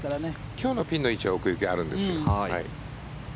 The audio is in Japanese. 今日のピンの位置は奥行きがあるんですよ。